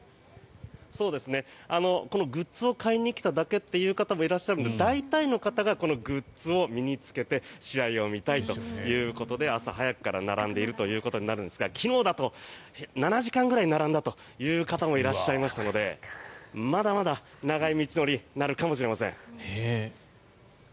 このグッズを買いに来ただけという方もいらっしゃるので大体の方がこのグッズを身に着けて試合を見たいということで朝早くから並んでいるということになるんですが昨日だと７時間ぐらい並んだという方もいらっしゃいますのでまだまだ長い道のりになるかもしれません。